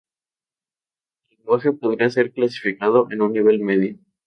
El lenguaje podría ser clasificado en un nivel medio.